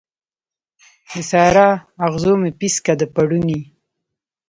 د سارا، اغزو مې پیڅکه د پوړنې